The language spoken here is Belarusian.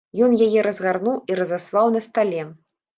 Ён яе разгарнуў і разаслаў на стале.